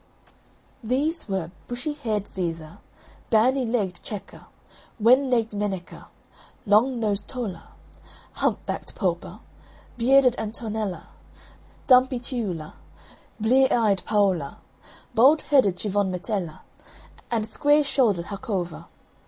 These were Bushy haired Zeza, Bandy legged Cecca, Wen necked Meneca, Long nosed Tolla, Humph backed Popa, Bearded Antonella, Dumpy Ciulla, Blear eyed Paola, Bald headed Civonmetella, and Square shouldered Jacova.